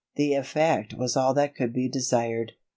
The effect was all that could be desired.